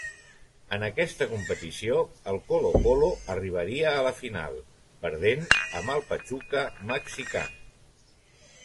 En aquesta competició, el Colo-Colo arribaria a la final, perdent amb el Pachuca mexicà.